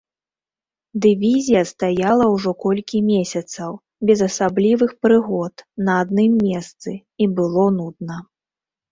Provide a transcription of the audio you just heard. Дывізія стаяла ўжо колькі месяцаў, без асаблівых прыгод, на адным месцы, і было нудна.